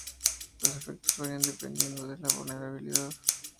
Los efectos varían dependiendo de la vulnerabilidad.